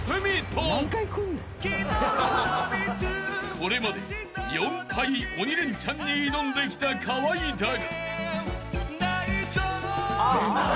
［これまで４回鬼レンチャンに挑んできた河合だが］